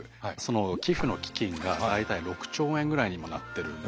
寄付の基金が大体６兆円ぐらいに今なってるんですね。